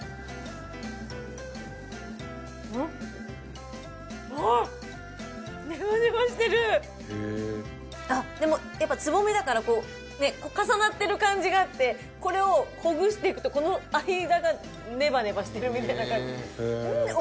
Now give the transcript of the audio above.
うん？あっでもやっぱつぼみだからこうね重なってる感じがあってこれをほぐしていくとこの間がネバネバしてるみたいな感じ。